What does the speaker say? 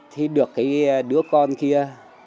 thì được cái đứa con kia